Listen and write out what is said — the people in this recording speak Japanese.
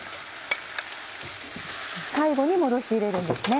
最後に戻し入れるんですね。